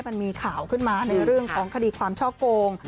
มันมีข่าวขึ้นมาในเรื่องของคดีความช่อโกง